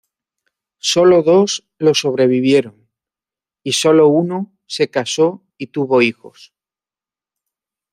Solo dos lo sobrevivieron, y solo uno se casó y tuvo hijos.